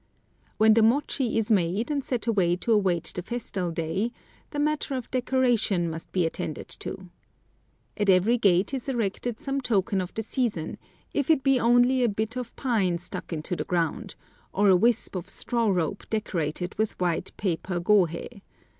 When the mochi is made and set away to await the festal day, the matter of decoration must be attended to. At every gate is erected some token of the season, if it be only a bit of pine stuck into the ground, or a wisp of straw rope decorated with white paper gohei.